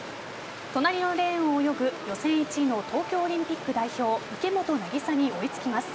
隣のレーンを泳ぐ予選１位の東京オリンピック代表池本凪沙に追いつきます。